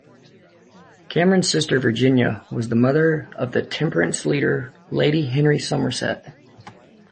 Cameron's sister Virginia was the mother of the temperance leader Lady Henry Somerset.